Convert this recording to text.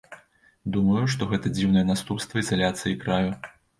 Думаю, што гэта дзіўнае наступства ізаляцыі краю.